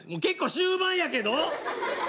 結構終盤やけど！？